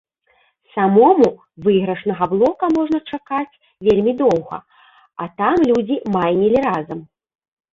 Самому выйгрышнага блока можна чакаць вельмі доўга, а там людзі майнілі разам.